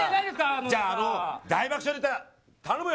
じゃあ、あの大爆笑ネタ頼むよ。